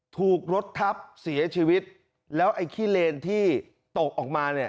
ถูกรถทับเสียชีวิตแล้วไอ้ขี้เลนที่ตกออกมาเนี่ย